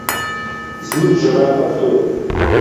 زموږ ژبه پښتو ده.